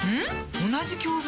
同じ教材？